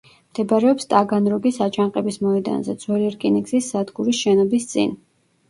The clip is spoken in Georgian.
მდებარეობს ტაგანროგის აჯანყების მოედანზე, ძველი რკინიგზის სადგურის შენობის წინ.